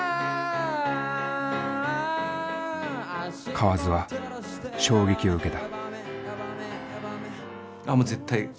河津は衝撃を受けた。